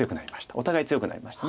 お互い強くなりました。